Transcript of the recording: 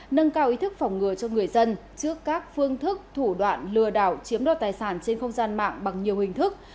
nâng cao ý thức phòng ngừa cho người dân trước các phương thức thủ đoạn lừa đảo chiếm đoạt tài sản trên không gian mạng bằng nhiều hình thức